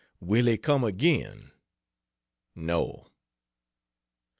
"Will he come again?" "No."